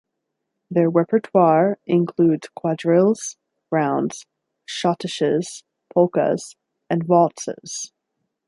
Their repertoire includes quadrilles, rounds, shottisches, polkas, and waltzes.